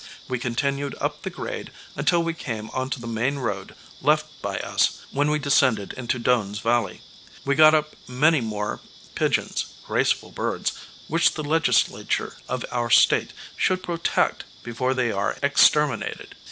We continued up the grade until we came onto the main road left by us when we descended into Doane's Valley. We got up many more pigeons, graceful birds, which the Legislature of our State should protect before they are exterminated.